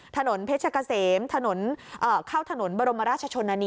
ถนนเพชรกะเสมถนนเข้าถนนบรมราชชนนานี